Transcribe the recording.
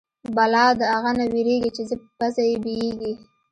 بلا د اغه نه وېرېږي چې پزه يې بيېږي.